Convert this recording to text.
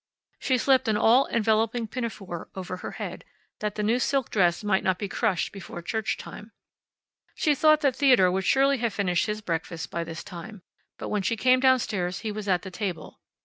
She slipped an all enveloping pinafore over her head, that the new silk dress might not be crushed before church time. She thought that Theodore would surely have finished his breakfast by this time. But when she came down stairs he was at the table.